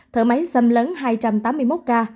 thở máy xâm lấn hai trăm tám mươi một ca